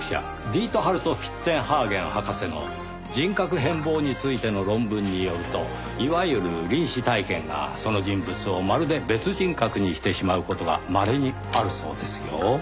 ディートハルト・フィッツェンハーゲン博士の人格変貌についての論文によるといわゆる臨死体験がその人物をまるで別人格にしてしまう事がまれにあるそうですよ。